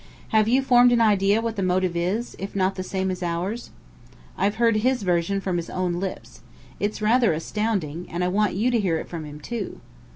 "Have you formed an idea what the motive is, if not the same as ours?" "I've heard his version from his own lips. It's rather astounding. And I want you to hear it from him, too."